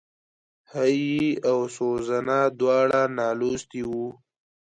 هېي او سوزانا دواړه نالوستي وو.